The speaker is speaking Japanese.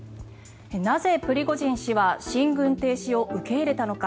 なぜ、プリゴジン氏は進軍停止を受け入れたのか。